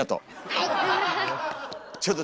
はい。